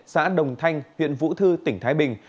xã đồng thanh huyện vũ thư tỉnh thái bình